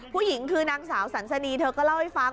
ผู้หญิงคือนางสาวสันสนีเธอก็เล่าให้ฟัง